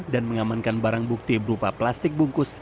dan mengamankan barang bukti berupa plastik bungkus